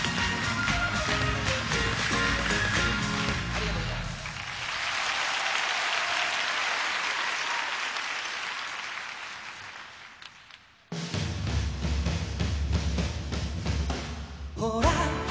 ありがとうございます。